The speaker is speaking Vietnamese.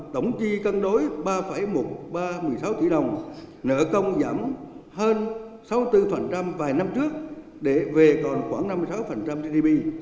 tổng chi căng đối ba một trăm ba mươi sáu triệu tỷ nợ công giảm hơn sáu mươi bốn vài năm trước để về còn khoảng năm mươi sáu gdp